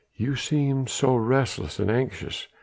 You seem so restless and anxious....